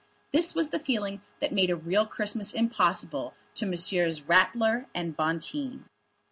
This was the feeling that made a real Christmas impossible to Messrs. Ratler and Bonteen.